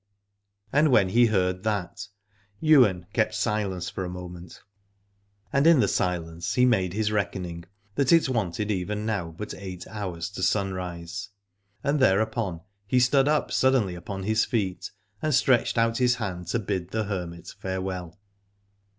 And when he heard that, Ywain kept silence for a moment, and in the silence he made his reckoning, that it wanted even now but eight hours to sunrise. And thereupon he stood up suddenly upon his feet and stretched out his hand to bid the hermit farewell.